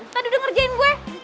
tadi udah ngerjain gue